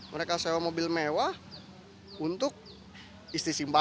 mereka sewa mobil mewah untuk istisimpana